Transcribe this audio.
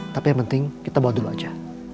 tapi yang penting kita bawa dulu aja